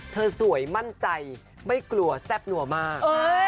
สวยมั่นใจไม่กลัวแซ่บนัวมาก